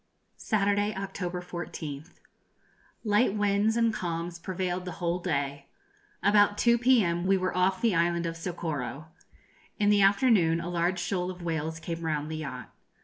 Saturday, October 14th. Light winds and calms prevailed the whole day. About 2 p.m. we were off the island of Socorro. In the afternoon a large shoal of whales came round the yacht.